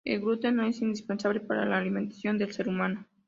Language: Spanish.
El gluten no es indispensable para la alimentación del ser humano.